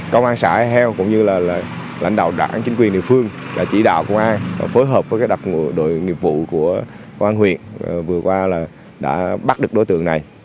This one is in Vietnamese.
cơ quan xã ea hiao cũng như là lãnh đạo đảng chính quyền địa phương đã chỉ đạo công an phối hợp với đặc đội nghiệp vụ của công an huyện vừa qua là đã bắt được đối tượng này